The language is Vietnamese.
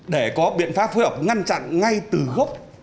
để có biện pháp phối hợp ngăn chặn ngay từ gốc